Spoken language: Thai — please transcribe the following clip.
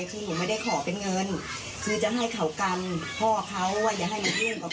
ชิคกี้พายมาได้ขอเป็นเงินคือจะให้เขากันพ่อเขาอย่าให้หนูยุ่งกับคนของหนู